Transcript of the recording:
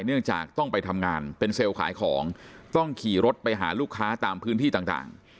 เนื่องจากต้องไปทำงานเป็นเซลล์ขายของต้องขี่รถไปหาลูกค้าตามพื้นที่ต่าง